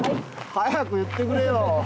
早く言ってくれよ。